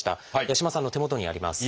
八嶋さんの手元にあります。